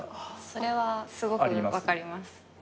それはすごく分かります。